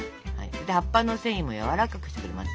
で葉っぱの繊維もやわらかくしてくれます。